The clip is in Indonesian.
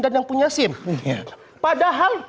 dan yang punya sim iya padahal